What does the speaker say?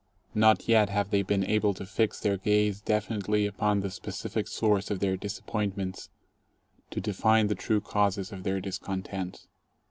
Not yet have they been able to fix their gaze definitely upon the specific source of their disappointments, to define the true causes of their discontent.